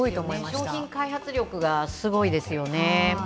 商品開発力がすごいですよね。